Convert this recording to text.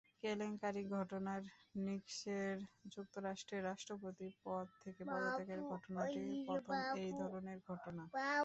কেলেঙ্কারির ঘটনায় নিক্সনের যুক্তরাষ্ট্রের রাষ্ট্রপতির পদ থেকে পদত্যাগের ঘটনাটি প্রথম এই ধরনের ঘটনা।